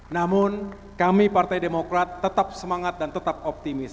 namun kami partai demokrat tetap semangat dan tetap optimis